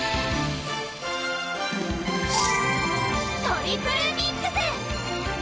トリプルミックス！